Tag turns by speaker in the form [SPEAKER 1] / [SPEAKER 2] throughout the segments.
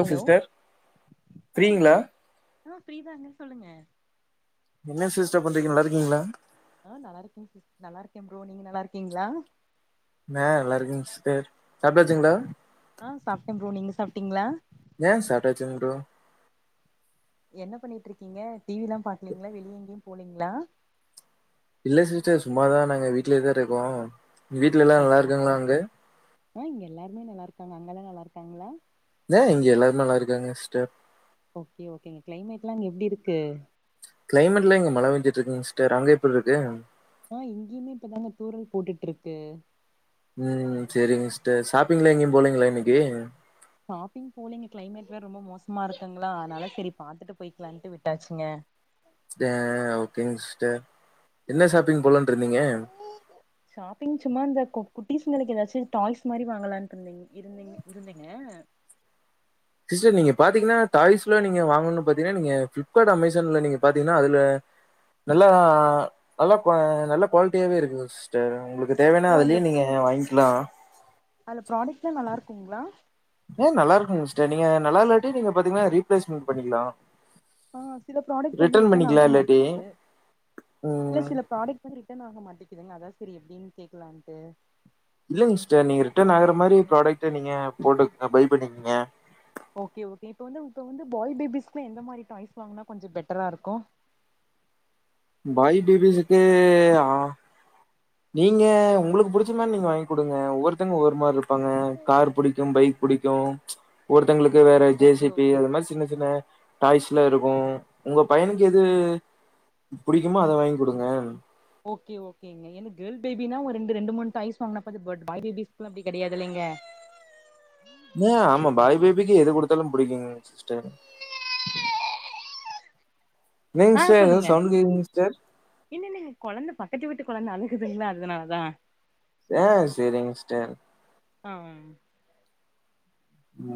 [SPEAKER 1] hello ஆ
[SPEAKER 2] ஃப்ரீங்களா
[SPEAKER 1] ஆ ஃபிரிதாங்க சொல்லுங்க
[SPEAKER 2] என்ன சிஸ்டர் பண்றிங்க நல்ல இருக்கீங்களா
[SPEAKER 1] ஆ நல்லாக்கே சிஸ் நல்லா இருக்கேன் ப்ரோ நீங்க நல்லா இருக்கீங்களா
[SPEAKER 2] நா நல்லா இருக்குங்க சிஸ்டர் சாப்டாச்சுங்களா
[SPEAKER 1] ஆ சாப்பிட்டேன் ப்ரோ நீங்க சாப்பிட்டீங்களா
[SPEAKER 2] ஆ சாப்டாச்சுங் ப்ரோ
[SPEAKER 1] என்ன பண்ணிட்டு இருக்கீங்க டி வி எல்லா பாக்கலீங்களா வெளிய எங்கேயு போலீங்களா
[SPEAKER 2] இல்ல சீஸ்டர் சும்மாதா நாங்க வீட்லே தா இருக்கோம் வீட்டுல எல்லா நல்லா
[SPEAKER 1] ஓகே
[SPEAKER 2] இருக்குங்களா அங்க
[SPEAKER 1] ஆ இங்க எல்லாருமே நல்லா இருக்காங்க அங்க எல்லா நல்லா இருக்காங்களா
[SPEAKER 2] ஏ இங்க எல்லாரு நல்லா இருக்காங்க சிஸ்டர்
[SPEAKER 1] ஓகே ஓகேங்க கிளைமேட்லா அங்க எப்டி இருக்கு
[SPEAKER 2] கிளைமேட்ல்லா இங்க மழபெஞ்சுட்டு இருக்குங்க சிஸ்டர் அங்க எப்டி இருக்கு
[SPEAKER 1] ஆ இங்கேயுமே இப்பதாங்க தூறல் போட்டுட்டு இருக்கு
[SPEAKER 2] ம் செரிங்க சிஸ்டர் ஷாப்பிங்லா எங்கேயு போலீங்களா இன்னைக்கு
[SPEAKER 1] ஷாப்பிங் போலிங்க கிளைமேட் வேறு ரொம்ப மோசமா இருக்குங்களா அதனால செரி பாத்துட்டு போயிக்கலான்ட்டு விட்டாச்சுங்க
[SPEAKER 2] ஏ ஓகேங்க சிஸ்டர் என்ன ஷாப்பிங் போலனு இருந்தீங்க
[SPEAKER 1] ஷாப்பிங் சும்மா இந்த கு குட்டி குட்டிஸங்களுக்கு ஏதாச்சும் டாய்ஸ் மாதிரி வாங்கலான்ட்டு இருந்தேங்க இருந்தேங்க இருந்தேங்க
[SPEAKER 2] சிஸ்டர் நீங்க பாத்தீங்கன்னா டாய்ஸ் எல்லா நீங்க வாங்கும்னு பாத்தீங்கன்னா நீங்க ஃபிளிப்கார்ட் அமேசான்ல நீங்க பாத்தீங்கன்னா அதுல நல்லா நல்லா நல்லா குவாலிட்டியாவே இருக்குங்க சிஸ் சிஸ்டர் உங்களுக்கு தேவைையானா
[SPEAKER 1] ஓ அதுல
[SPEAKER 2] அதுலயும் நீங்க வாங்கிக்கலாம்
[SPEAKER 1] அதுல ப்ராடக்ட்லாம் நல்லா இருக்குங்களா
[SPEAKER 2] ஏன் நல்லா இருக்கு சிஸ்டர் நீங்க நல்லா இல்லாட்டி நீங்க பாத்தீங்கன்னா ரீப்ளேஸ்மெண்ட் பண்ணிக்கலாம்
[SPEAKER 1] ஆ சில ப்ராடக்ட் வந்து ரிட்டர்ன்
[SPEAKER 2] பண்ணிக்கலா
[SPEAKER 1] ஆக
[SPEAKER 2] இல்லாட்டி
[SPEAKER 1] மாட்டது இல்லை
[SPEAKER 2] ம்
[SPEAKER 1] சில ப்ராடக்ட் வந்து ரீட்டன் ஆக மாட்டிக்குதுங்க அதான் சேரி எப்டின்னு கேக்கலான்ட்டு
[SPEAKER 2] இல்லைங்க சிஸ்டர் நீங்க ரிட்டர்ன் ஆகுற மாரி ப்ராடக்ட் நீங்க போட்டு பை பண்ணிக்கீங்க
[SPEAKER 1] ஓகே ஓகே இப்போ வந்து இப்போ வந்து பாய் பேபிஸ்ல எந்த மாரி டாய்ஸ் வாங்கினா கொஞ்சம் பெட்டரா இருக்கும்
[SPEAKER 2] பாய் பேபிஸ்சுக்கு ஆ நீங்க உங்களுக்கு புடிச்ச மாரி நீங்க வாங்கி குடுங்க ஒவ்வொருத்தவங்க ஒவ்வொரு மாரி இருப்பாங்க கார் புடிக்கும் பைக் புடிக்கும் ஒருத்தவங்களுக்கு வேற J
[SPEAKER 1] okay
[SPEAKER 2] C B
[SPEAKER 1] okay
[SPEAKER 2] அது மாரி சின்ன சின்ன டாய்ஸ்லா இருக்கும் உங்க பையனுக்கு எது புடிக்குமோ அத வாங்கி குடுங்க
[SPEAKER 1] ஓகே ஓகேங்க ஏன்னா கேள்ல் பேபினனா ஒரு ரெண்டு மூணு டாய்ஸ் வாங்கினா பா ப் பாய் பேபி்களாம் அப்டி கிடயாதுல்லைங்க
[SPEAKER 2] ஏ ஆமா பாய் பேபிக்கு எது குடுத்தாலும் புடிக்குங்க சிஸ்டர் நீங்க
[SPEAKER 1] ஆ
[SPEAKER 2] சிஸ்டர் எதோ
[SPEAKER 1] சொல்லுங்க
[SPEAKER 2] சவுண்ட் கேக்குதுங்க சிஸ்டர்
[SPEAKER 1] இல்ல இல்ல குழந்தை பக்கத்து வீட்டு குழந்தை அழுகுதுங்களா அதனாலதான்
[SPEAKER 2] ஆ செரிங்க சிஸ்டர்
[SPEAKER 1] ஆ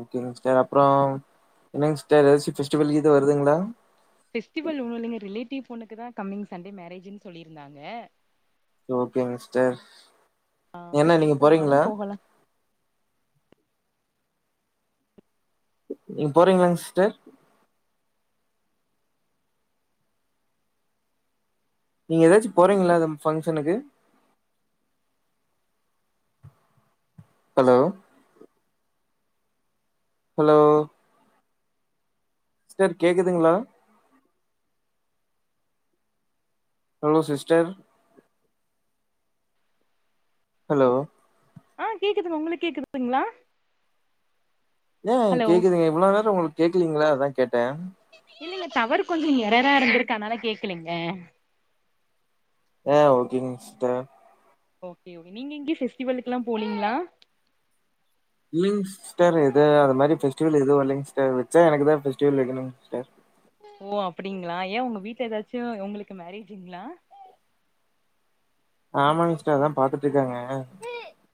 [SPEAKER 2] ஓகேங்க சிஸ்டர் அப்பறம் என்னங்க சிஸ்டர் ஏதாசி பெஸ்டிவல் கீத் வருதுங்களா
[SPEAKER 1] ஃபெஸ்டிவல் ஒன்னும் இல்லைங்க ரிலேட்டிவ் பொண்ணக்கு தான் கம்மிங் சண்டே மேரேஜ்ன்னு சொல்லியிருந்தாங்க
[SPEAKER 2] ஓகேங் சிஸ்டர்
[SPEAKER 1] அதுக்கு
[SPEAKER 2] என்ன
[SPEAKER 1] இது
[SPEAKER 2] நீங்க
[SPEAKER 1] போனாலு
[SPEAKER 2] போறீங்களா
[SPEAKER 1] போகலா
[SPEAKER 2] நீங்க போறீங்களா சிஸ்டர் நீங்க ஏதாச்சும் போறீங்களா அது ஃபங்க்ஷனுக்கு ஹலோ ஹலோ சிஸ்டர் கேக்குதுங்களா ஹலோ சிஸ்டர் ஹலோ
[SPEAKER 1] ஆ கேக்குதுங்க உங்களுக்கு கேக்குதுங்களா
[SPEAKER 2] ஏன்
[SPEAKER 1] ஹலோ
[SPEAKER 2] கேக்குதுங்க இவ்ளோ நேரோ உங்களுக்கு கேக்கலீங்களா அதான் கேட்டேன்
[SPEAKER 1] இல்லங்க டவறு கொஞ்சம் எறரா இருந்திருக்கு அதனால கேக்குலீங்க
[SPEAKER 2] ஆ ஓகேங் சிஸ்டர்
[SPEAKER 1] ஓகே நீங்க இங்கய ஃபெஸ்டிவளுக்கெல்லாம் போலீங்களா
[SPEAKER 2] இல்லங்க சிஸ்டர் எது அது மாரி பெஃஸ்டிவல் எதூம் இல்லைங்க சிஸ்டர் வச்சா எனக்குதான் பெஃஸ்டிவல் வைக்கணுங் சிஸ்டர்
[SPEAKER 1] ஓ அப்டிங்களா ஏன் உங்க வீட்ல ஏதாச்சும் உங்களுக்கு மேரேஜ்ங்களா
[SPEAKER 2] ஆமாங் சிஸ்டர் அதான் பாத்துட்டு இருக்காங்க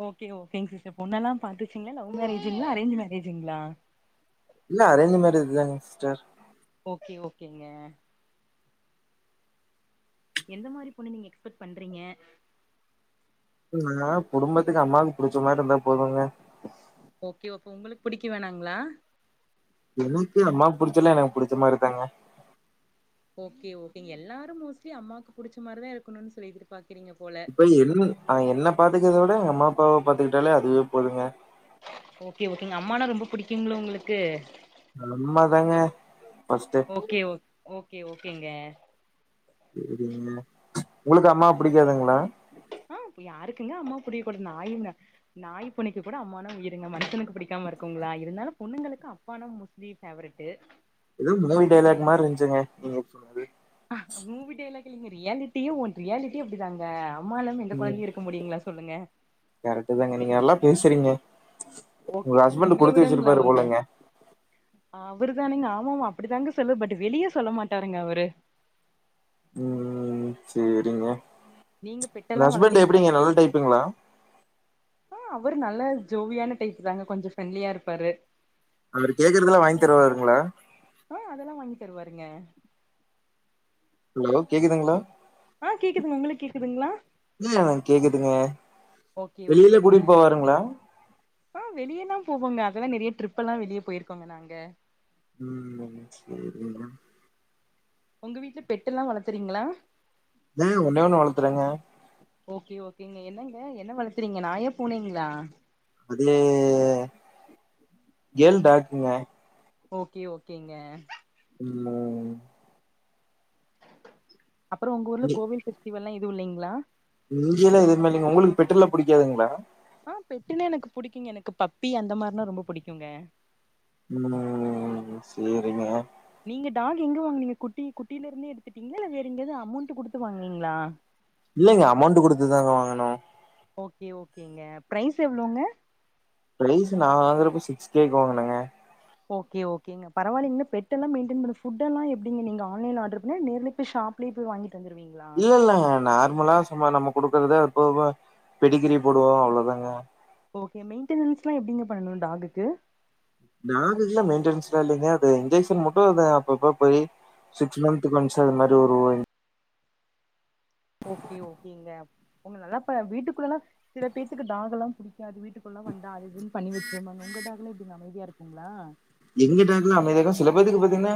[SPEAKER 1] ஓகே ஓகே சிஸ்டர் பொண்ணல்லாம் பாத்துச்சுங்களா லவ் மேரேஜ்ங்களா அரேஞ்ச் மேரேஜ்ங்களா
[SPEAKER 2] இல்ல அரேஞ்ச் மேரேஜ் தாங்க சிஸ்டர்
[SPEAKER 1] ஓகே ஓகேங்க எந்த மாரி பொண்ணு நீங்க எக்ஸ்பெக்ட் பண்றீங்க
[SPEAKER 2] நா குடும்பத்துக்கு அம்மாவுக்கு புடிச்ச மாரி இருந்தா போதுங்க
[SPEAKER 1] ஓகே ஓ அப்போ உங்களுக்கு புடிக்க வேணாங்களா
[SPEAKER 2] எனக்கு அம்மா புடிச்சலாம் எனக்கு புடிச்ச மாரி தாங்க
[SPEAKER 1] ஓகே ஒகேங்க எல்லாரு மோஸ்ட்லி அம்மாக்குபுடிச்ச மாரிதான் இருக்கன்னு சொல்லிட்டு எதிர் பாக்கறீங்க
[SPEAKER 2] இப்ப என் என்னை பாத்துக்கிறதை விட எங்க அம்மாப்பாவை பாத்துக்கிட்டாலே அதுவே போதுங்க
[SPEAKER 1] ஓகே ஓகேங்க அம்மானா ரொம்ப புடிக்குங்களோ உங்களுக்கு
[SPEAKER 2] உண்மாதாங்க ஃபர்ஸ்ட்
[SPEAKER 1] ஓகே ஓ ஓகே ஓகேங்க
[SPEAKER 2] சுரிங்க உங்களுக்கு அம்மா புடிக்காதுங்களா
[SPEAKER 1] ஆ யாருக்குங்க அம்மா புடியக்கூடாது நாயுங்க நாய் பூனைக் கூட அம்மானா உயிருங்க மனுஷனுக்கு புடிக்காம இருக்குங்களா இருந்தாலு பொண்ணுங்களுக்கு அப்பானா மு ஜி ஃபேவரட்
[SPEAKER 2] ஏதோ மூவி டைலாக் மாரி இருந்துச்சுங்க நீங்க சொன்னாது
[SPEAKER 1] மூவி டைலாக் இல்லிங்க ரியாலிட்டியு ஒன் ரியாலிட்டி அப்படிதாங்க அம்மாலு எந்த குழந்தையு இருக்க முடியுங்களா சொல்லுங்க
[SPEAKER 2] கரெக்ட் தாங்க நீங்க நல்லா பேசுறீங்க உங்க
[SPEAKER 1] ஓகே இது
[SPEAKER 2] ஹஸ்பண்ட்
[SPEAKER 1] உங்கள
[SPEAKER 2] குடுத்து
[SPEAKER 1] விடங்களா
[SPEAKER 2] வச்சிருப்பாரு
[SPEAKER 1] அவங்க
[SPEAKER 2] போலங்க
[SPEAKER 1] அவரு தானேங்க ஆமாமா அப்படிதாங்க சொல்லு பட் வெளியே சொல்ல மாட்டாருங்க அவரு
[SPEAKER 2] ம் ம் சேரிங்க
[SPEAKER 1] நீங்க
[SPEAKER 2] உங்க
[SPEAKER 1] பெட்டெல்லா
[SPEAKER 2] ஹஸ்பண்ட்
[SPEAKER 1] வளக்குறீங்களா
[SPEAKER 2] எப்பிடிங்க நல்லா டைப்புங்களா
[SPEAKER 1] ஆ அவரு நல்ல ஜோவியான டைப் தாங்க கொஞ்சௌ ஃப்ரெண்ட்லியா இருப்பாரு
[SPEAKER 2] அவரு கேக்குறதல்லா வாங்கி தருவாருங்களா
[SPEAKER 1] ஆ அதெல்லா வாங்கி தருவாருங்க
[SPEAKER 2] ஹலோ கேக்குதுங்களா
[SPEAKER 1] ஆ
[SPEAKER 2] ம்
[SPEAKER 1] கேக்குதுங்க உங்களுக்கு கேக்குதுங்களா
[SPEAKER 2] நல்லா கேக்குதுங்க
[SPEAKER 1] ஓகே
[SPEAKER 2] வெளியிலே
[SPEAKER 1] ஓகேங்க
[SPEAKER 2] கூட்டிட்டு போவாருங்களா
[SPEAKER 1] ஆ வெளியல்லா போவோங்க அதெல்லா நெறைய ட்ரிப்ல்லா வெளியே போயிருக்கோங்க நாங்க
[SPEAKER 2] ம் செரிங்க
[SPEAKER 1] உங்க வீட்ல பெட்டல்லா வளத்துறீங்களா
[SPEAKER 2] ஆ ஒன்னே ஒண்ணு வளர்த்துறேங்க
[SPEAKER 1] ஓகே ஓகேங்க என்னங்க என்ன வளர்த்துறீங்க நாயா பூனைங்களா
[SPEAKER 2] அது கேர்ள் டாக்குங்க
[SPEAKER 1] ஓகே ஓகேங்க
[SPEAKER 2] ம் மோ
[SPEAKER 1] அப்புறோ உங்க ஊர்ல கோவில் பெஸ்டிவெல்லா எது இல்லைங்ளா
[SPEAKER 2] இங்கேயல்லா எதுமே இல்லைங்க உங்களுக்கு பெட்டெல்லா புடிக்காதுங்களா
[SPEAKER 1] ஆ பெட்டனா எனக்கு புடிக்குங்க எனக்கு பப்பி அந்த மாரினா ரொம்ப புடிக்குங்க
[SPEAKER 2] ம் ம் சேரிங்க
[SPEAKER 1] நீங்க டாக் எங்க வாங்குனீங்க குட்டி குட்டிலருந்தே எடுத்துட்டீங்களா இல்ல வேற எங்கேயாவது அமௌண்ட் குடுத்து வாங்னீங்ளா
[SPEAKER 2] இல்லைங்க அமௌண்ட் குடுத்ததாங்க வாங்கணோ
[SPEAKER 1] ஓகே ஓகேங்க ப்ரைஸ் எவ்ளோங்க
[SPEAKER 2] ப்ரைஸ் நா வாங்கறப்ப சிக்ஸ் கேக்கு வாங்கனங்க
[SPEAKER 1] ஓகே ஓகங்க பரவால்ல இன்னு பெட்டெல்லா மெய்டன் பண்ண ஃபுட்டெல்லா எப்டிங்க நீங்க ஆன்லைன்ல ஆர்டர் பண்ணி நேர்ல பேய் ஷா புலே போய் வாங்கிட்டு வந்துருவீங்க
[SPEAKER 2] இல்ல இல்லங்க நார்மலா சும்மா நம்ம குடுக்குறத எப்பவுமே பெடிக்கிரி போடுவோ அவ்ளோதாங்க
[SPEAKER 1] ஓகே மெயின்டெனன்ஸ்லா எப்படிங்க பண்ணணு டாக்குக்கு
[SPEAKER 2] டாக்குகெல்லா மெயின்டனன்ஸ்லா இல்லங்க அது இன்ஜெக்ஷன் மட்டு அது அப்பப்ப போய் சிகஸ் மந்த்து ஒன்ஸு அது மாரி ஒரு [unintelligible]
[SPEAKER 1] ஓகே ஓகேங்க முன்ன நல்லா இப்ப வீட்டுக்குள்லல்லா சில பேத்துக்கு டாகல்லா புடிக்காது அது வீட்டுக்குள்லா வந்தா அது இன் பண்ணி வச்சிருவாங்க உங்க டாக்ல்லா எப்பிடிங்க அமைதியா இருக்குங்களா
[SPEAKER 2] எங்க டாக்கலா அமைதியா இருக்கு சில பேத்துக்கு பாத்தீங்கன்னா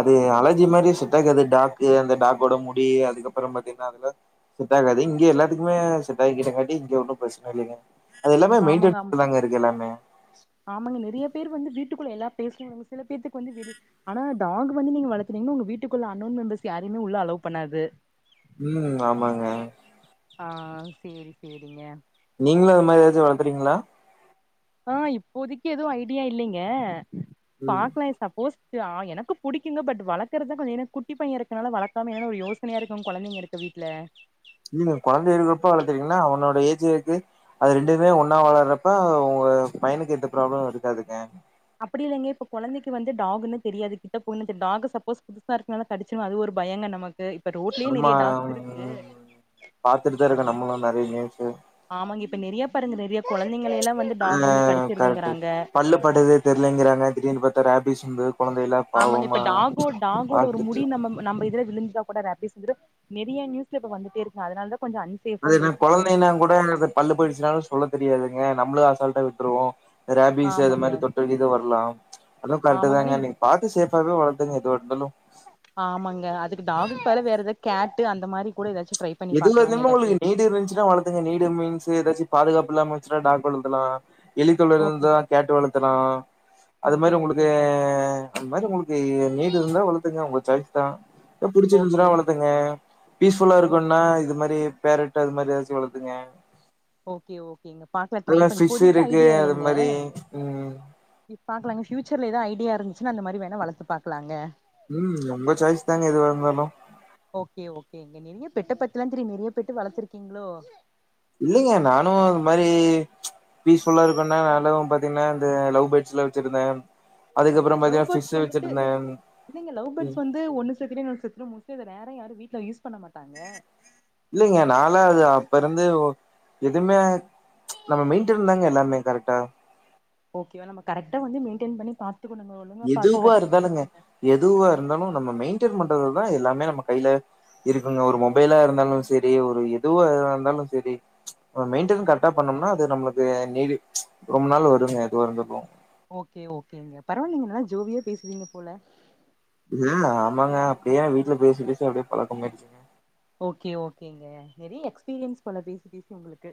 [SPEAKER 2] அது அலர்ஜி மாதிரி செட்டாகாது டாக்கு அந்த டாக்கோட முடி அதுக்கப்புறோ பாத்தீங்கன்னா அதுல செட்டாகாது இங்கே எல்லாத்துக்குமே செட் ஆகிட்டேங்காட்டி இங்க ஒன்னு பிரச்சன இல்லைங்க அது எல்லாமே
[SPEAKER 1] ஆமாங்க ஆமா
[SPEAKER 2] மெயின்டன்ஸ்ல தாங்க இருக்கு எல்லாமே
[SPEAKER 1] ஆமாங்க நிறைய பேர் வந்து வீட்டுக்குள்ள எல்லா பேசலங்க சில பேத்துக்கு வந்து வெளி ஆனா டாக் வந்து நீங்க வளத்துனிங்கனா உங்க வீட்டுக்குள்ள அன்னோன் மெம்பர்ஸ் யாரையுமே உள்ள அலவ் பண்ணாது
[SPEAKER 2] ம் ஆமாங்க
[SPEAKER 1] ஆ செரி செரிங்க
[SPEAKER 2] நீங்களு அது மாதிரி ஏதாச்சு வளத்துறீங்களா
[SPEAKER 1] ஆ இப்போதைக்கு எதுவு ஐடியா இல்லைங்க
[SPEAKER 2] ம்
[SPEAKER 1] பாக்கலா சப்போஸ் எனக்கு புடிக்குங்க பட் வளர்க்கறது கொஞ்ச ஏனா குட்டி பைய இருக்கனால வளக்காம ஒரு யோச சனையா இருக்கு கொழந்தைங்க இருக்க வீட்ல
[SPEAKER 2] நீங்க கொழந்தைங்க இருக்க அப்போ வளத்திங்கன்னா அவனோட ஏஜ் இருக்கு அது ரெண்டுமே ஒன்னா வளர்றப்ப உங்க பையனுக்கு எந்த ப்ராப்ளமு இருக்காதுங்க
[SPEAKER 1] அப்படி இல்லைங்க இப்ப கொழந்தைக்கு வந்து டாகுன்னு தெரியாது கிட்ட போனது டாக் சப்போஸ் புதுசா இருக்க நாள கடிச்சுரு அது ஒரு பயங்க நமக்கு பட் ரோட்லயே
[SPEAKER 2] நம்ம
[SPEAKER 1] நெறைய டாக்ஸ் இருக்கு
[SPEAKER 2] பாத்துட்டுதா இருக்கோ
[SPEAKER 1] அது
[SPEAKER 2] நம்மளு நெறைய நியூஸு
[SPEAKER 1] ஆமாங்க இப்ப நிறைய பாருங்க நிறைய குழந்தைங்கள எல்லா வந்து
[SPEAKER 2] ஆ
[SPEAKER 1] டாக் வந்து
[SPEAKER 2] கரெக்ட்டு
[SPEAKER 1] கடிச்சிருதுங்கறாங்க
[SPEAKER 2] பல்லு படுது தெரியிலங்கிறாங்க திடீர்னு பார்த்தா ரேபிஸ் வந்து கொழந்தையெல்லா
[SPEAKER 1] ஆமாங்க இப்ப
[SPEAKER 2] பாவமா
[SPEAKER 1] டாகோ டாகோட ஒரு
[SPEAKER 2] பாத்துட்டு
[SPEAKER 1] முடி
[SPEAKER 2] இருக்கு
[SPEAKER 1] நம்ம நம்ம இதுல விழுந்துடா கூட ரேபி பிஸ் வந்துரு நிறைய நியூஸ்ல இப்போ வந்துட்டே இருக்கு அதனால தான் கொஞ்ச அன்
[SPEAKER 2] அது என்ன குழந்தைனா கூட பல்லு போயிடுச்சுனாலு சொல்ல தெரியாதுங்க நம்மளு அசால்ட்டா விட்ருவோ ரேபிஸ் அது
[SPEAKER 1] ஆமாங்க
[SPEAKER 2] மாரி தொட்டாக்கீது வரலா அதுவு கரெக்டு
[SPEAKER 1] ஆமாங்க ஆனா
[SPEAKER 2] தாங்க
[SPEAKER 1] இப்
[SPEAKER 2] நீங்க பாத்து சேஃபாவே வளர்த்துங்க எதுவா இருந்தாலு
[SPEAKER 1] ஆமாங்க அதுக்கு டாகுபதிலா வேற ஏதாது கேட்டு அந்த மாரி கூட ஏதாச்சு ட்ரை பண்ணி
[SPEAKER 2] எதுல
[SPEAKER 1] பாக்கலாங்க
[SPEAKER 2] இருந்துமே
[SPEAKER 1] இல்லாட்டி
[SPEAKER 2] உங்களுக்கு நீடு இருந்துச்சுனா வளத் ங்க நீடு மீன்ஸ்ஸு ஏதாச்சு பாதுகாப்பு இல்லாம வச்சுனா டாக் வளத்துலா எலித்தொல்ல
[SPEAKER 1] ஓகே
[SPEAKER 2] இருந்தா கேட்டு வளத்தலா அது
[SPEAKER 1] ஓகே
[SPEAKER 2] மாரி உங்களுக்கு
[SPEAKER 1] ஓகேங்க
[SPEAKER 2] அந்த மாரி உங்களுக்கு நீடு இருந்தா வளத்துங்க உங்க சாய்ஸ் தா புடிச்சி
[SPEAKER 1] ஓகே
[SPEAKER 2] இருந்துச்சுன்னா
[SPEAKER 1] ஓ
[SPEAKER 2] வளத்துங்க பீஸ்ஃபுல்லா இரு
[SPEAKER 1] ஓ
[SPEAKER 2] னா இது மாரி பேரட் அது மாரி ஏதாச்சு வளத்துங்க
[SPEAKER 1] ஓகே ஓகேங்க பாக்கலா ட்ரை
[SPEAKER 2] அதுல
[SPEAKER 1] பண்ணி
[SPEAKER 2] ஃபிஷ்
[SPEAKER 1] இப்போதைக்கு
[SPEAKER 2] இருக்கு
[SPEAKER 1] ஐடியா
[SPEAKER 2] அது
[SPEAKER 1] இல்லைங்க
[SPEAKER 2] மாரி ம்
[SPEAKER 1] இப் பாக்கலாங்க ஃபியூச்சர்ல ஏது ஐடியா இருந்துச்சுனா அந்த மாரி வேணா வளத்து பாக்கலாங்க
[SPEAKER 2] ம் உங்க சாய்ஸ் தாங்க எதுவா இருந்தாலு
[SPEAKER 1] ஓகே ஓகேங்க நிறைய பெட்ட பத்திலா தெரியு நிறைய பெட்டு வளத்துருக்கீங்களோ
[SPEAKER 2] இல்லைங்க நானு அது மாரி பீஸ்ஃபுல்லா இருக்குனா நல்லாவு பாத்தீங்கனா இந்த லவ் பேட்ஸ்லா வச்சிருந்த அதுக்கப்புற
[SPEAKER 1] லவ்
[SPEAKER 2] பாத்திங்கனா ஃபிஷ்
[SPEAKER 1] பேர்ட்ஸ்
[SPEAKER 2] வச்சு இருந்த
[SPEAKER 1] து ஒன்னு செத்துரு இன்னொனு செத்துரு மோஸ்ட்லி ரேரா யாரு வீட்ல யூஸ் பண்ண மாட்டாங்க
[SPEAKER 2] இல்லைங்க நானலா அது அப்ப இருந்து எதுமே நம்ம மெயின்டன் தாங்க எல்லாமே கரெக்டா
[SPEAKER 1] ஓகேவா நம்ம கரெக்டா வந்து மெயின்டெயின் பண்ணி பாத்துகனுங்க ஒழுங்கா பாத்து
[SPEAKER 2] எதுவா
[SPEAKER 1] கட்டி
[SPEAKER 2] இருந்தாலுங்க
[SPEAKER 1] வச்சுட்டாங்க
[SPEAKER 2] எதுவா இருந்தாலு நம்ம மெயின்டென் பண்றதுதா எல்லாமே நம்ம கையில இருக்குங்க ஒரு மொபைலா இருந்தாலு சரி ஒரு எதுவா இருந்தாலு சரி மெயின்டன் கரெக்டா பண்ணோம்னா அது நம்மளுக்கு நீ ரொம்ப நாள் வருங்க அது வந்துரு
[SPEAKER 1] ஓகே ஓகேங்க பரவால்லைங்க நல்லா ஜோவியா பேசுவீங்க போல
[SPEAKER 2] ம் ஆமாங்க அப்டியே நா வீட்ல பேசி பேசி அப்டியே பழக்கமாயிடுச்சு
[SPEAKER 1] ஓகே ஓகேங்க நிறைய எக்ஸ்பீரியன்ஸ் போல பேசி பேசி உங்களுக்கு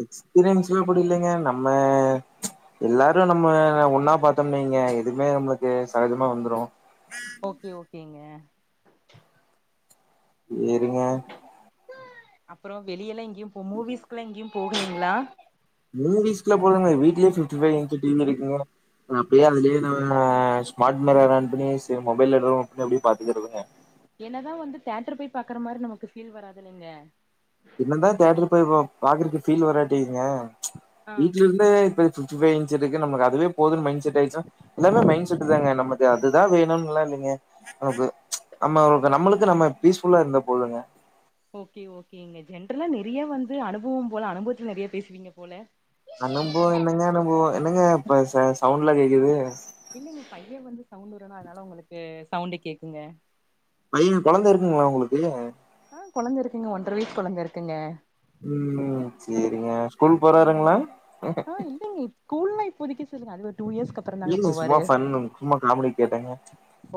[SPEAKER 2] எக்ஸ்பீரியன்ஸ்லா குடுகலைங்க நம்ம எல்லாரு நம்ம ஒன்னா பாத்தோம்னு வெயிங்க எதுவுமே நம்மளுக்கு சகஜமா வந்துரு
[SPEAKER 1] ஓகே ஓகேங்க
[SPEAKER 2] சேரிங்க
[SPEAKER 1] அப்றோ வெளிய எல்லா எங்கேயு போ மூவிஸ்கெல்லா எங்கயு போவிங்ளா
[SPEAKER 2] மூவிஸ்லா போலங்க வீட்லயே fifty five inches T V இருக்குங்க அப்டியே அதுலயே நா ஆ ஸ்மார் மிரர் ஆன் பண்ணி செரி மொபைல்ல எதோ ஓபன் பண்ணி அப்டியே பாத்துக்கறதுங்க
[SPEAKER 1] என்னதா வந்து தேட்டர் போய் பாக்குற மாரி நமக்கு ஃபீல் வராது இல்லைங்க
[SPEAKER 2] ஏன்ன தா தியேட்டர் போயி பாக்குறதுக்கு ஃபீல் வராட்டியுங்க
[SPEAKER 1] ஆ
[SPEAKER 2] வீட்ல இருந்து இப்பயே இப்ப ஃபிப்டி ஃபைவ் இன்ச் இருக்கு நம்மக்கு அதுவே போதுன்னு மைண்ட செட் ஆயிட்சினா எல்லாமே மைண்ட் செட்டு தாங்க நமக்கு அதுதா வேணும்லா இல்லைங்க நமக்கு நம்ம நம்மளுக்கு நம்ம ஃபீஸ் ஃபுல்லா இருந்த போதுங்க
[SPEAKER 1] ஓகே ஓகேங்க ஜென்ரலா நெறையா வந்து அனுபவோ போல அனுபவத்துல நெறைய பேசுவீங்க போல
[SPEAKER 2] அனுபவோ என்னங்க அனுபவோ என்னங்க இப்ப சவுண்ட்லா கேக்குது
[SPEAKER 1] இல்லங்க பைய வந்து சவுண்ட் உட்றானா அதனால உங்களுக்கு சவுண்ட் கேக்குங்க
[SPEAKER 2] பைய கொழந்த இருக்குங்ளா உங்களுக்கு
[SPEAKER 1] ஆ கொழந்தை இருக்குங்க ஒன்றர வயஸ் கொழந்த இருக்குங்க
[SPEAKER 2] ம் செரிங்க ஸ்கூல் போறாருங்ளா
[SPEAKER 1] ஆ இலைங்க இப் ஸ்கூல்லா இப்போதைக்கு சொல்லுங்க அது ஒரு டூ இயர்ஸ்க்கு அப்
[SPEAKER 2] இல்ல சும்மா ஃபன் சும்மா காமெடிக்கு கேட்டங்க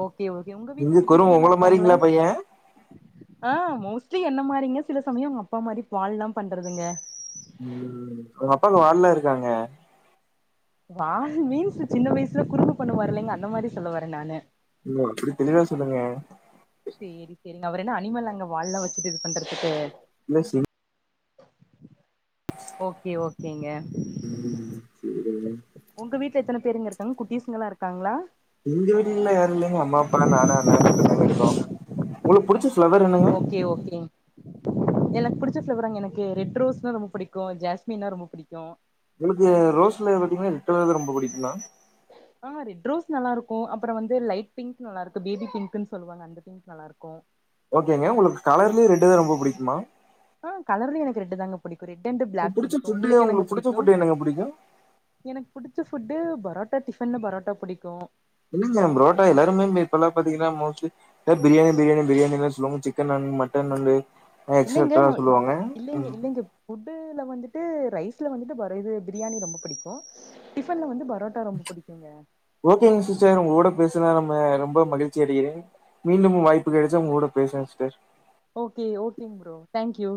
[SPEAKER 1] ஓகே ஓகே உங்க வீட்ல குட்டிசுங்க எல்லா இருக்காங்ளா
[SPEAKER 2] மாரிங்களா பைய
[SPEAKER 1] ஆ மோஸ்ட்லி என்ன மாரிங்க சில சமயோ அவுங்க அப்பா மாரி வால்லா பண்றதுங்க
[SPEAKER 2] ம் அவுங்க அப்பாக்கு வாழ்லா இருக்காங்க
[SPEAKER 1] வா மீன்ஸ் சின்ன வயசுல குரும்பு பண்ணுவாரு இல்லைங்க அந்த மாரி சொல்ல வரே நானு
[SPEAKER 2] எங்க அப்புடி தெளிவா சொல்லுங்க
[SPEAKER 1] சேரி சேரிங்க அவரு என்னங்க அனிமல்லாங்க வால்லா வெச்சிட்டு இது பண்றதுக்கு
[SPEAKER 2] இல்ல சும்
[SPEAKER 1] ஓகே ஓகேங்க
[SPEAKER 2] ம் சேரிங்க
[SPEAKER 1] உங்க வீட்ல எத்தன பேருங்க இருக்காங்க குட்டீசுங்கலா இருக்காங்ளா
[SPEAKER 2] எங்க வீட்ல யாரு இல்லைங்க அம்மா அப்பா நானு அண்ணான் மட்டு தாங்க இருக்கோ உங்களுக்கு புடிச்ச ஃப்ளவர் என்னங்க
[SPEAKER 1] ஓகே ஓகேங் எனக்கு புடிச்ச ஃப்ளவராங்க எனக்கு ரெட் ரோஸ்னா ரொம்ப புடிக்கு ஜாஸ்மின்னா ரொம்ப புடிக்கு
[SPEAKER 2] உங்களுக்கு ரோஸ்ல பாத்தீங்கன்னா ரெட் கலர் தா ரொம்ப புடிக்குங்லா
[SPEAKER 1] ஆ ரெட் ரோஸ் நல்லா இருக்கு அப்பறோ வந்து லைட் பிங்க் நல்லா இருக்கு பேபி பிங்க்குன்னு சொல்லுவாங்க அந்த பிங் நல்லாருக்கு
[SPEAKER 2] ஓகேங்க உங்களுக்கு கலர்லயே ரெட்டு் தா ரொம்ப பிடிக்குமா
[SPEAKER 1] ஆ கலர்லியே எனக்கு ரெட்டு் தாங்க புடிக்கும் ரெட் அண்டு்
[SPEAKER 2] உங்களுக்கு
[SPEAKER 1] பிளாக்
[SPEAKER 2] புடிச்ச
[SPEAKER 1] புடிக்கு
[SPEAKER 2] ஃபுட்டு
[SPEAKER 1] உங்களுக்கு என்னங்க
[SPEAKER 2] புடிச்ச
[SPEAKER 1] புடிக்கு
[SPEAKER 2] ஃபுட்டு என்னங்க புடிக்கு
[SPEAKER 1] எனக்கு புடிச்ச ஃபுட்டு பரோட்டா டிஃபன்னு பரோட்டா புடிக்கு
[SPEAKER 2] என்னங்க புரோட்டா எல்லாருமே இப்பெல்லா பாத்தீங்னா மோஸ்ட்லி ஏ பிரியாணி பிரியாணி பிரியாணி எல்லா சொல்லுவாங்க சிக்கன் நான் மட்டன் நண்டு
[SPEAKER 1] இல்லங்க
[SPEAKER 2] எக்ஸட்ரா
[SPEAKER 1] நா
[SPEAKER 2] சொல்லுவாங்க
[SPEAKER 1] இல்லங்க
[SPEAKER 2] ம்
[SPEAKER 1] இல்லங்க ஃபுட்டுல வந்துட்டு ரைஸ்ல வந்துட்டு பர் இது பிரியாணி ரொம்ப புடிக்கு டிஃபன்ல வந்து பரோ ட்டா ரொம்ப புடிக்குங்க
[SPEAKER 2] ஓகேங்க சிஸ்டர் உங்கோட பேசுனா நம்ம ரொம்ப மகிழ்ச்சி அடைக்கிறேன் மீண்டும் வாய்ப்பு கெடச்சா உங்க கூட பேசுறே சிஸ்டர்
[SPEAKER 1] ஓகே ஓகேங்க ப்ரோ தேங்க்யூ